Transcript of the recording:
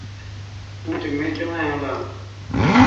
اُونهچ مين چووَين هُلا۔